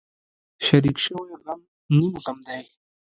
شریک شوی غم نیم غم دی.